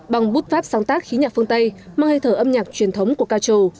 bằng bút pháp sáng tác khí nhạc phương tây mang hơi thở âm nhạc truyền thống của ca trù